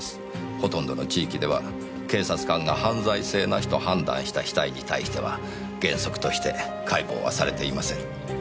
ほとんどの地域では警察官が犯罪性なしと判断した死体に対しては原則として解剖はされていません。